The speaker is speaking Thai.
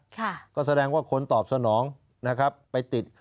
ค่ะก็แสดงว่าคนตอบสนองนะครับไปติด